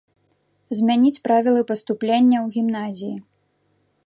Змяніць правілы паступлення ў гімназіі.